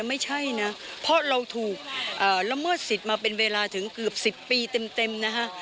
ไม่ใช่นะเพราะเราถูกละเมิดสิทธิ์มาเป็นเวลาถึงเกือบ๑๐ปีเต็มนะคะ